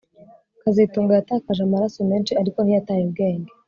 kazitunga yatakaje amaraso menshi ariko ntiyataye ubwenge